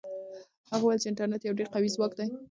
هغه وویل چې انټرنيټ یو ډېر قوي ځواک دی.